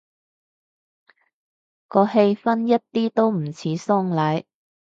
個氣氛一啲都唔似喪禮